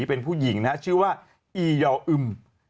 เป็นผู้หญิงนะชื่อว่าอียอึม